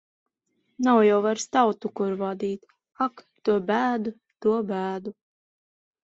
Nav jau vairs tautu, kur vadīt. Ak, to bēdu! To bēdu!